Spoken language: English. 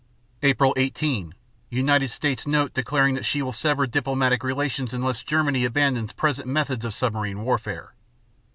_Apr. 18 United States note declaring that she will sever diplomatic relations unless Germany abandons present methods of submarine warfare.